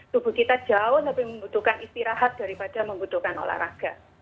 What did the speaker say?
tubuh kita jauh lebih membutuhkan istirahat daripada membutuhkan olahraga